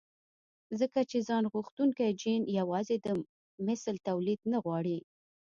ځکه چې ځانغوښتونکی جېن يوازې د مثل توليد نه غواړي.